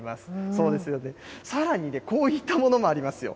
そうですよね、さらにこういったものもありますよ。